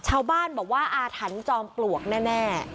ชาวบ้านบอกว่าอาถรรพ์จอมปลวกแน่